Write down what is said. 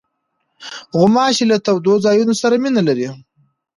غوماشې له تودو ځایونو سره مینه لري.